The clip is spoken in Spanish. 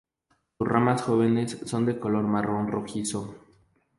Sus ramas jóvenes son de color marrón rojizo.